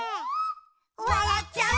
「わらっちゃう」